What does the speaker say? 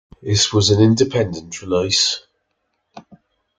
It was an independent release.